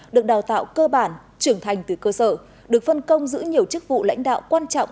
được đào tạo cơ bản trưởng thành từ cơ sở được phân công giữ nhiều chức vụ lãnh đạo quan trọng